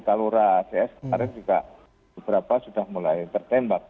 di talura cs kemarin juga beberapa sudah mulai tertembak